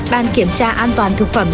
ban kiểm tra an toàn thực phẩm